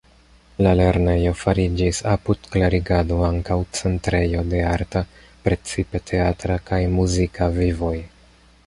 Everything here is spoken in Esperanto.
La lernejo fariĝis apud klerigado ankaŭ centrejo de arta, precipe teatra kaj muzika vivoj.